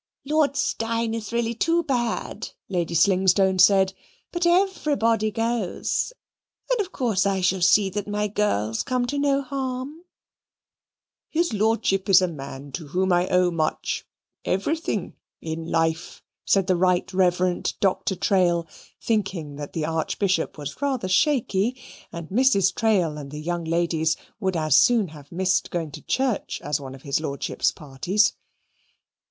"Lord Steyne is really too bad," Lady Slingstone said, "but everybody goes, and of course I shall see that my girls come to no harm." "His lordship is a man to whom I owe much, everything in life," said the Right Reverend Doctor Trail, thinking that the Archbishop was rather shaky, and Mrs. Trail and the young ladies would as soon have missed going to church as to one of his lordship's parties.